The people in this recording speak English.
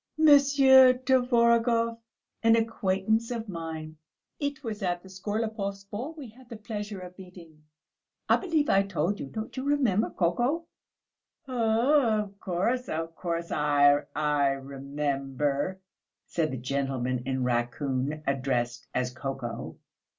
"Monsieur Tvorogov, an acquaintance of mine; it was at the Skorlupovs' ball we had the pleasure of meeting; I believe I told you; don't you remember, Koko?" "Oh, of course, of course! Ah, I remember," said the gentleman in raccoon addressed as Koko.